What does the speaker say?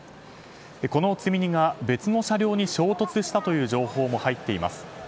この積み荷が別の車両に衝突したという情報も入っています。